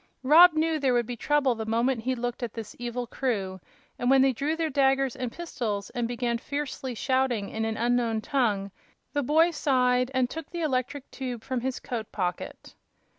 Rob knew there would be trouble the moment he looked at this evil crew, and when they drew their daggers and pistols and began fiercely shouting in an unknown tongue, the boy sighed and took the electric tube from his coat pocket.